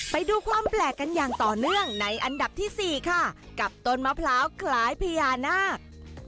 ไปดูความแปลกกันอย่างต่อเนื่องในอันดับที่๔ค่ะกับต้นมะพร้าวคล้ายพญานาค